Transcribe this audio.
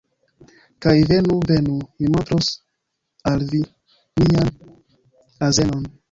Kaj venu. Venu. Mi montros al vi mian azenon.